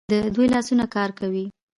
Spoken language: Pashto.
د دوی لاسونه کار کوي.